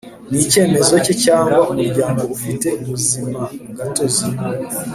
Ni icyemezo cye cyangwa umuryango ufite ubuzimagatozi